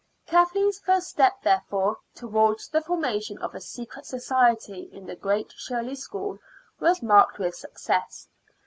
Kathleen's first step, therefore, towards the formation of a secret society in the Great Shirley School was marked with success.